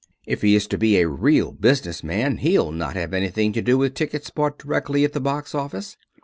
If he is to be a real business man he'll not have anything to do with tickets bought directly at the box office.